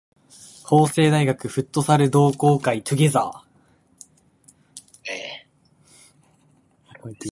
法政大学フットサル同好会 together